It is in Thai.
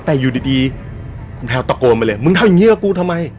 แต่อยู่ดีคุณแพลวตะโกนไปเลยมึงทำอย่างนี้กับกูทำไม